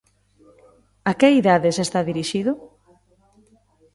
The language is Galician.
A que idades está dirixido?